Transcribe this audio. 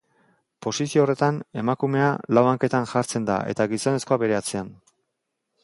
Posizio horretan, emakumea lau hanketan jartzen da eta gizonezkoa bere atzean.